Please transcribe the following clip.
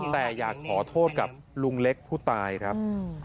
แต่อยากขอโทษกับลุงเล็กผู้ตายครับ